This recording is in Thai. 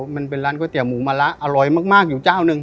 มันเป็นร้านก๋วยเตี๋หมูมะละอร่อยมากอยู่เจ้าหนึ่ง